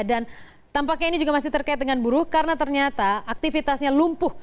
dan tampaknya ini juga masih terkait dengan buruh karena ternyata aktivitasnya lumpuh